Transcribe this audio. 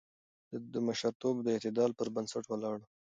د ده مشرتوب د اعتدال پر بنسټ ولاړ و.